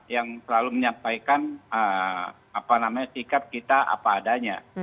yang selalu menyampaikan sikap kita apa adanya